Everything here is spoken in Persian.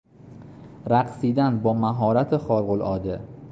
رقصیدن با مهارت خارق العاده